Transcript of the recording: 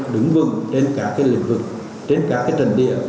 đứng vững trên các lĩnh vực trên các trần địa